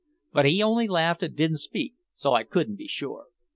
But he only laughed, and didn't speak, so I couldn't be sure.